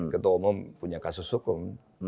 ketua umum punya kasus hukum